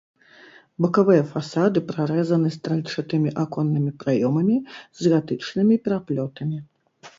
Бакавыя фасады прарэзаны стральчатымі аконнымі праёмамі з гатычнымі пераплётамі.